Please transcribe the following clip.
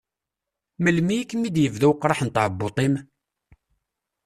Melmi i kem-id-yebda uqraḥ n tɛebbuḍt-im?